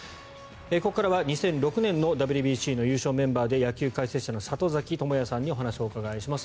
ここからは２００６年のＷＢＣの優勝メンバーで野球解説者の里崎智也さんにお話をお伺いします。